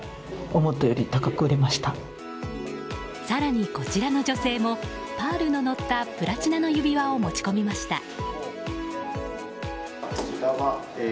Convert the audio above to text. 更にこちらの女性もパールの載ったプラチナの指輪を持ち込みました。